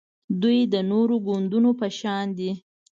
دوی د نورو ګوندونو په شان دي